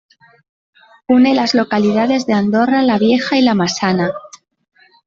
Une las localidades de Andorra la Vieja y La Massana.